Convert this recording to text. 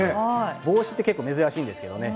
帽子って珍しいんですけどね。